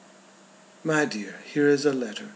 "My dear, here is a letter.